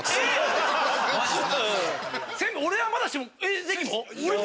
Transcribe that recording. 俺はまだしも関も？